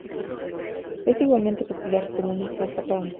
Es igualmente popular como una salsa para mojar.